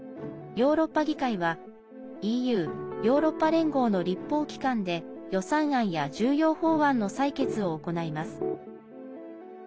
ヨーロッパ議会はＥＵ＝ヨーロッパ連合の立法機関で予算案や重要法案の採決を行います。